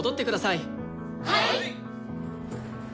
はい！